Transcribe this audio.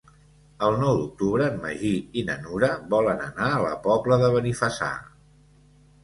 El nou d'octubre en Magí i na Nura volen anar a la Pobla de Benifassà.